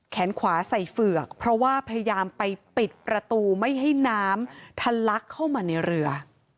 ขวาใส่เฝือกเพราะว่าพยายามไปปิดประตูไม่ให้น้ำทะลักเข้ามาในเรือ